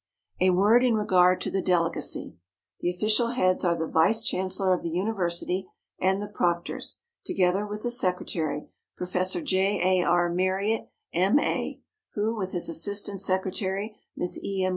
A word in regard to the delegacy. The official heads are the vice chancellor of the university and the proctors, together with the secretary, Prof. J. A. R. Marriott, M.A., who, with his assistant secretary, Miss E. M.